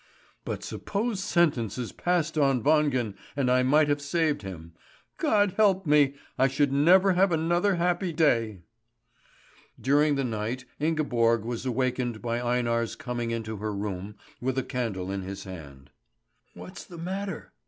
"But suppose sentence is passed on Wangen, and I might have saved him! God help me! I should never have another happy day." During the night Ingeborg was awakened by Einar's coming into her room with a candle in his hand. "What's the matter?"